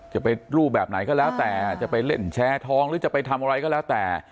จะไปรูปแบบไหนก็แล้วแต่จะไปเล่นแชร์ทองหรือจะไปทำอะไรก็แล้วแต่